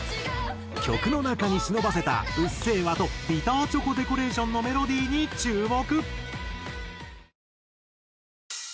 曲の中に忍ばせた『うっせぇわ』と『ビターチョコデコレーション』のメロディーに注目。